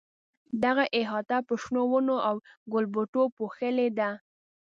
دغه احاطه په شنو ونو او ګلبوټو پوښلې ده.